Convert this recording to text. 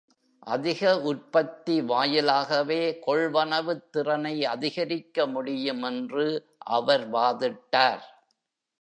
அதிக உற்பத்தி வாயிலாகவே கொள்வனவுத் திறனை அதிகரிக்க முடியும் என்று அவர் வாதிட்டார்.